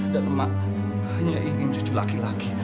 dan emak hanya ingin cucu laki laki